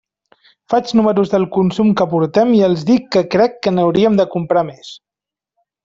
Faig números del consum que portem i els dic que crec que n'hauríem de comprar més.